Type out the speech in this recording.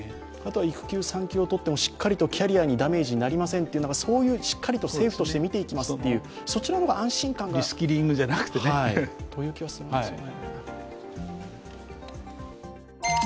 育休、産休を取ってもキャリアにダメージになりませんというそういうしっかりと政府として見ていきますというそちらの方が安心がある気がするんですよね。